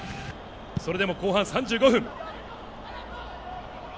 それでも後半３５分。